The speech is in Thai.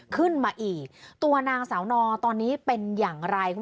ขึ้นมาอีกตัวนางสาวนอตอนนี้เป็นอย่างไร